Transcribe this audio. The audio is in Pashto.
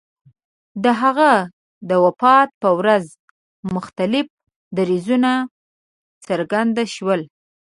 د هغه د وفات په ورځ مختلف دریځونه څرګند شول.